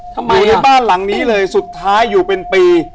อยู่ในบ้านหลังนี้เลยสุดท้ายอยู่เป็นปี